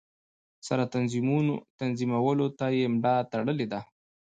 سره تنظیمولو ته یې ملا تړلې ده.